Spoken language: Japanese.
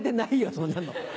そんなの。